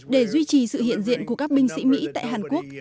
để duy trì sự hiện diện của các binh sĩ mỹ tại hàn quốc